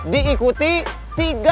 diikuti tiga puluh orang anggota